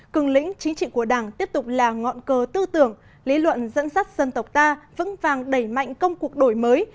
cường lĩnh chính trị của đảng tiếp tục là ngọn cờ tư tưởng lý luận dẫn dắt dân tộc ta vững vàng đẩy mạnh công cuộc đổi mới